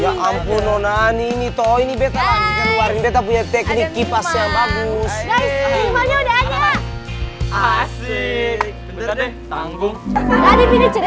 ya ampun nonani ini toh ini bete bete teknik kipas yang bagus asyik juga